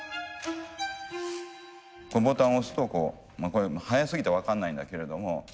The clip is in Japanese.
ボタンを押すとこう速すぎて分かんないんだけれども。